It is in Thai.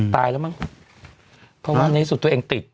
ตายแล้วมั้งเพราะว่าในที่สุดตัวเองติด